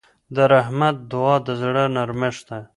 د رحمت دعا د زړه نرمښت ده.